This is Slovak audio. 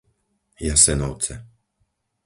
Jasenovce